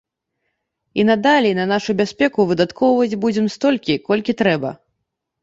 І надалей на нашу бяспеку выдаткоўваць будзем столькі, колькі трэба.